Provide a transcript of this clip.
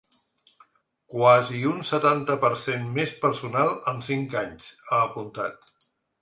“Quasi un setanta per cent més personal en cinc anys”, ha apuntat.